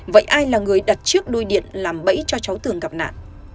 vậy ai là người đặt trước đôi điện làm bẫy cho cháu tường gặp nạn